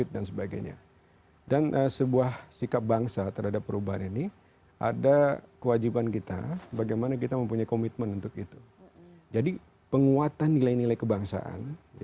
dan sebagainya dan sebuah sikap bangsa terhadap perubahan ini ada kewajiban kita bagaimana kita mempunyai komitmen untuk itu jadi penguatan nilai nilai kebangsaan